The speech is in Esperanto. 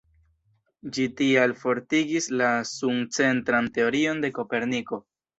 Ĝi tial fortigis la sun-centran teorion de Koperniko.